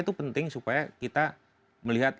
itu penting supaya kita melihat